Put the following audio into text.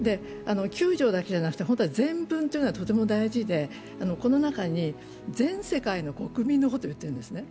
９条だけじゃなくて、本当は前文がとても大事で、この中に、全世界の国民のことを言っているんですね。